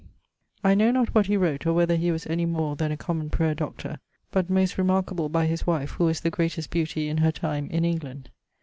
I know not what he wrote or whether he was any more than a common prayer Doctor; but most remarqueable by his wife, who was the greatest beautie in her time in England.